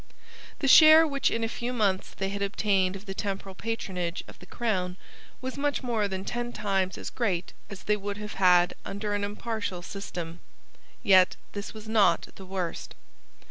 The share which in a few months they had obtained of the temporal patronage of the crown was much more than ten times as great as they would have had under an impartial system. Yet this was not the worst.